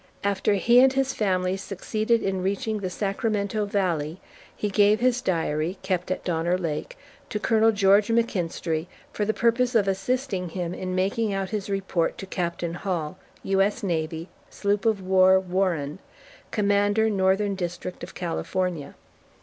After he and his family succeeded in reaching the Sacramento Valley, he gave his diary (kept at Donner Lake) to Colonel George McKinstrey for the purpose of assisting him in making out his report to Captain Hall, U.S.N., Sloop of War Warren, Commander Northern District of California.